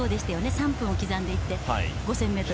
３分を刻んでいって５０００ｍ。